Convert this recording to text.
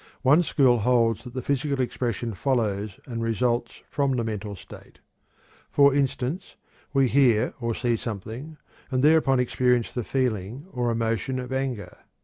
One school holds that the physical expression follows and results from the mental state. For instance, we hear or see something, and thereupon experience the feeling or emotion of anger.